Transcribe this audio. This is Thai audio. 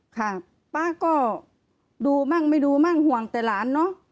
ค่ะป้าก็ดูมั่งไม่ดูมั่งห่วงแต่หลานเนอะ